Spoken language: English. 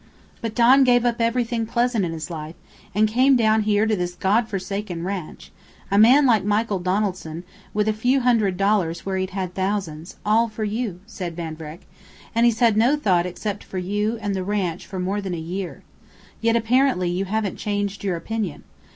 "But Don gave up everything pleasant in his life, and came down here to this God forsaken ranch a man like Michael Donaldson, with a few hundred dollars where he'd had thousands all for you," said Van Vreck, "and he's had no thought except for you and the ranch for more than a year. Yet apparently you haven't changed your opinion.